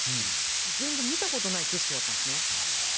全然、見たことない景色だったんですね。